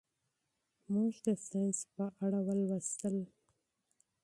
موږ د ساینس په اړه ولوستل.